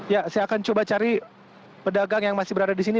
ya saya akan coba cari pedagang yang masih berada di sini